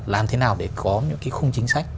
làm thế nào để có những khung chính sách